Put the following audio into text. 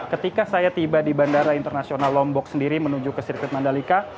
ketika saya tiba di bandara internasional lombok sendiri menuju ke sirkuit mandalika